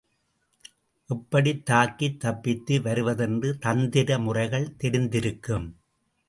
எப்படித் தாக்கித் தப்பித்து வருவதென்று தந்திர முறைகள் தெரிந்திருக்கும்.